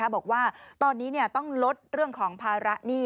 บอกว่าตอนนี้ต้องลดเรื่องของภาระหนี้